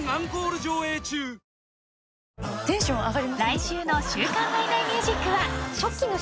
［来週の『週刊ナイナイミュージック』は］